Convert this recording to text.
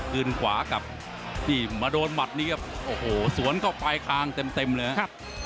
คืนขวากับนี่มาโดนหมัดนี้ครับโอ้โหสวนเข้าไปคางเต็มเต็มเลยครับ